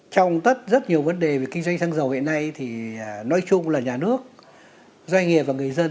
trong tất rất nhiều vấn đề về kinh doanh xăng dầu hiện nay thì nói chung là nhà nước doanh nghiệp và người dân